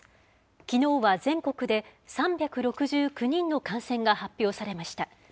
きのうは全国で３６９人の感染が発表されました。